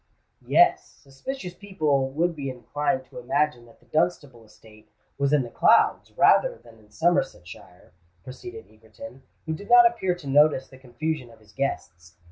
"Yes—suspicious people would be inclined to imagine that the Dunstable estate was in the clouds rather than in Somersetshire," proceeded Egerton, who did not appear to notice the confusion of his guests.